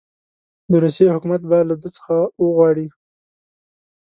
د روسیې حکومت به له ده څخه وغواړي.